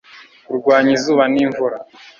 kurwanya izuba nimvura